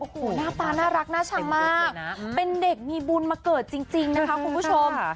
โอ้โหหน้าตาน่ารักน่าชังมากเป็นเด็กมีบุญมาเกิดจริงนะคะคุณผู้ชม